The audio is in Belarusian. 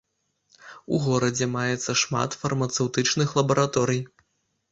У горадзе маецца шмат фармацэўтычных лабараторый.